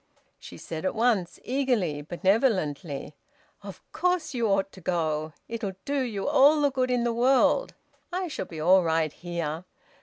She said at once, eagerly and benevolently "Of course you ought to go. It'll do you all the good in the world. I shall be all right here.